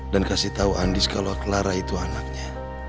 dan kasih tau andis kalau clara itu anaknya